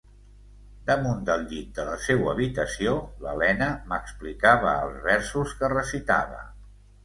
Damunt del llit de la seua habitació, l'Elena m'explicava els versos que recitava.